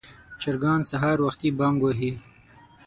چرګان سهار وختي بانګ وهي.